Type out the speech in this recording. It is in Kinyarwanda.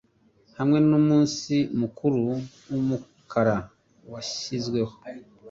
Hamwe n'umunsi mukuru w'umukara washyizweho